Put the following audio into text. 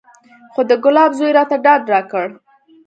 خو د ګلاب زوى راته ډاډ راکړ.